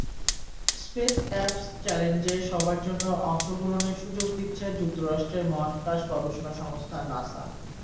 Space apps চ্যালেঞ্জে সবার জন্য অংশগ্রহণের সুযোগ দিচ্ছে যুক্তরাষ্ট্রের মহাকাশ গবেষণা সংস্থা নাসা।